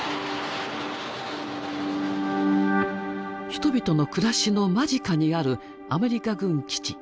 人々の暮らしの間近にあるアメリカ軍基地。